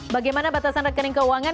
bagaimana batasan rekening keuangan